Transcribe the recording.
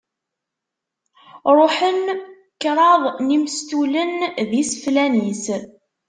Ṛuḥen kṛaḍ n yimestulen d iseflan-is.